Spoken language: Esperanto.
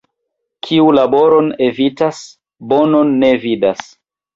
Kiu laboron evitas, bonon ne vidas.